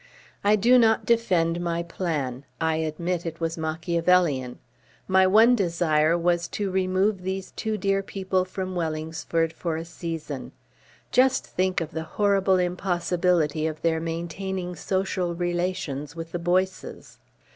I do not defend my plan. I admit it was Machiavellian. My one desire was to remove these two dear people from Wellingsford for a season. Just think of the horrible impossibility of their maintaining social relations with the Boyces